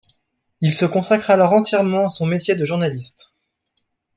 Il se consacre alors entièrement à son métier de journaliste.